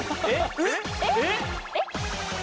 えっ？